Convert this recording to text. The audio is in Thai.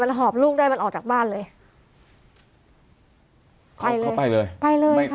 มันหอบลูกได้มันออกจากบ้านเลยเข้าไปเลยไปเลยครับ